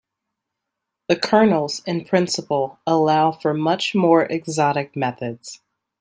The kernels in principle allow for much more exotic methods.